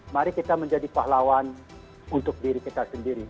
mari kita menjadi pahlawan untuk diri kita sendiri